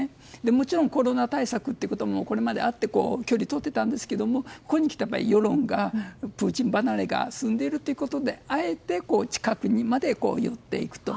もちろんコロナ対策もこれまであって距離をとってたんですがここに来て、世論にプーチン離れが進んでいるということであえて近くにまで寄っていくと。